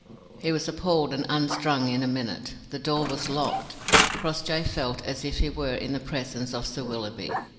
He was appalled and unstrung in a minute. The door was locked. Crossjay felt as if he were in the presence of Sir Willoughby.